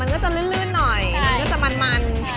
มันก็จะลื่นหน่อยมันก็จะมัน